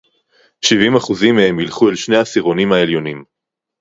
שבעים אחוזים מהם ילכו אל שני העשירונים העליונים